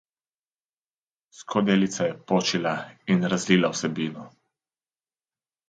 Skodelica je počila in razlila vsebino.